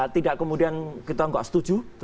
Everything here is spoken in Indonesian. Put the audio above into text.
tidak kemudian kita nggak setuju